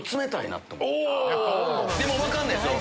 でも分かんないっすよ。